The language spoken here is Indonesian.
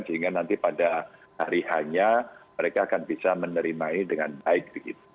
sehingga nanti pada hari hanya mereka akan bisa menerimai dengan baik begitu